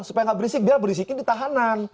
supaya ga berisik biar berisikin ditahanan